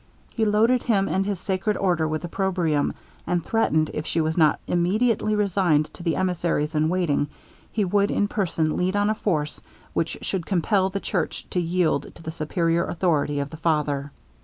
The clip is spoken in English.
He loaded him and his sacred order with opprobrium, and threatened, if she was not immediately resigned to the emissaries in waiting, he would in person lead on a force which should compel the church to yield to the superior authority of the father.